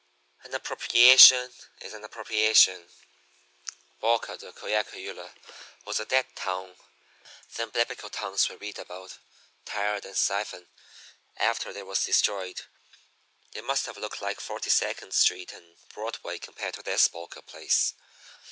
An appropriation is an appropriation.' "Boca de Coacoyula was a dead town. Them biblical towns we read about Tired and Siphon after they was destroyed, they must have looked like Forty second Street and Broadway compared to this Boca place.